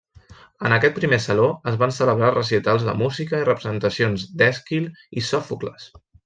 En aquest primer Saló es van celebrar recitals de música i representacions d'Èsquil i Sòfocles.